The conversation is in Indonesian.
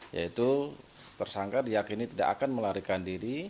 yaitu tersangka diyakini tidak akan melarikan diri